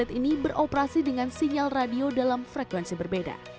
atlet ini beroperasi dengan sinyal radio dalam frekuensi berbeda